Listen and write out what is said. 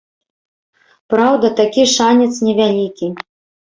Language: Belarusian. Праўда, такі шанец невялікі.